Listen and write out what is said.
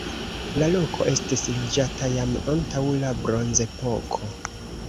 La loko estis loĝata jam antaŭ la bronzepoko.